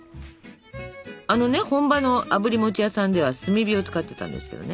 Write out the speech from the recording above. あのね本場のあぶり餅屋さんでは炭火を使ってたんですけどね